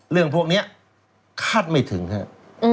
เรื่องพวกนี้คาดไม่ถึงครับ